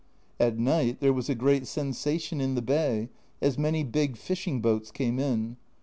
At night there was a great sensation in the bay, as many big fishing boats came in.